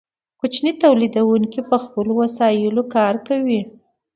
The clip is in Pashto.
کوچني تولیدونکي په خپلو وسایلو کار کوي.